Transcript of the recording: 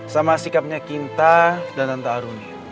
sama sikapnya kinta dan tante aruni